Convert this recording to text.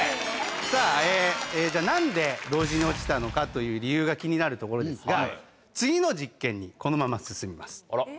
さぁじゃあ何で同時に落ちたのかという理由が気になるところですが次の実験にこのまま進みます。